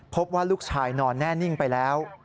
พบว่าลูกชายนอนแน่นิ่งไปแล้ว